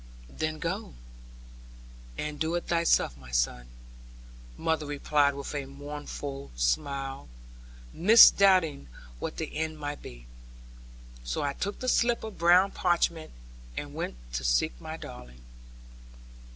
'Then go, and do it thyself, my son,' mother replied with a mournful smile, misdoubting what the end might be. So I took the slip of brown parchment, and went to seek my darling.